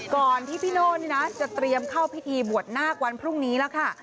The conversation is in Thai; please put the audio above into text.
ก่อนที่พี่โน่นี่นะจะเตรียมเข้าพิธีบวชนาควันพรุ่งนี้แล้วค่ะ